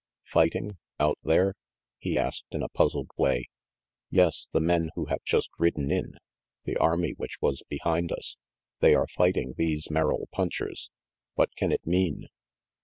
"Fighting? Out there?" he asked in a puzzled way. "Yes, the men who have just ridden in the army which was behind us they are fighting these Merrill punchers. What can it mean?"